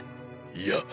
いや。